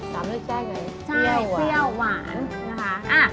สามารถแจ้งเลยส้าวเสี้ยวหวานนะคะ